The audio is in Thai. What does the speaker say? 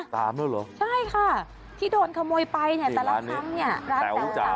ตามแล้วเหรอใช่ค่ะที่โดนขโมยไปเนี่ยแต่ละครั้งเนี่ยร้านแจ๋ว